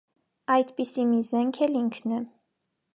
Այդպիսի մի զենք էլ ինքն է։